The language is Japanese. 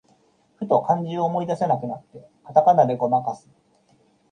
ふと漢字を思い出せなくなって、カタカナでごまかす